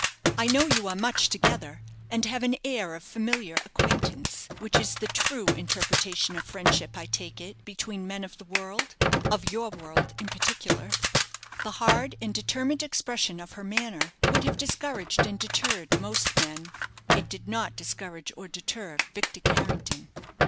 I know you are much together, and have an air of familiar acquaintance, which is the true interpretation of friendship, I take it, between men of the world of your world in particular." The hard and determined expression of her manner would have discouraged and deterred most men. It did not discourage or deter Victor Carrington.